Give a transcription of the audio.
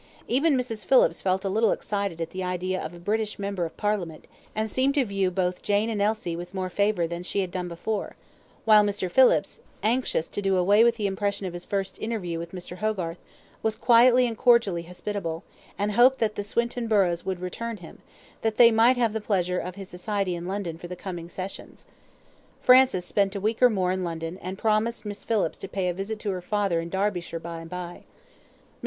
Even Mrs. Phillips felt a little excited at the idea of a British member of Parliament, and seemed to view both Jane and Elsie with more favour than she had done before; while Mr. Phillips, anxious to do away with the impression of his first interview with Mr. Hogarth, was quietly and cordially hospitable, and hoped that the Swinton burghs would return him, that they might have the pleasure of his society in London for the coming sessions. Francis spent a week or more in London, and promised Miss Phillips to pay a visit to her father in Derbyshire by and by. Mr.